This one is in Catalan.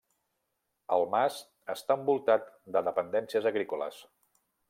El mas està envoltat de dependències agrícoles.